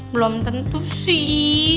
belom tentu sih